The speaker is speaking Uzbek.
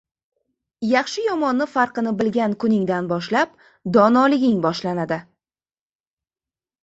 • Yaxshi yomonni farqini bilgan kuningdan boshlab donoliging boshlanadi.